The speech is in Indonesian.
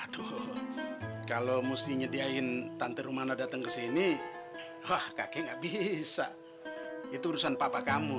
waduh kalau musti nyediain tante rumana datang kesini wah kakek nggak bisa itu urusan papa kamu